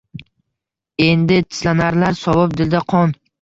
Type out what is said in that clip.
Endi tislanarlar, sovib dilda qon